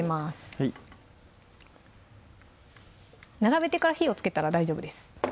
はい並べてから火をつけたら大丈夫です